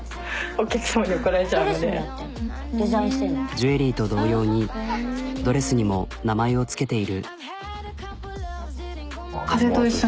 ジュエリーと同様にドレスにも名前を付けている。